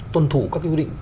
tuân thủ các cái quy định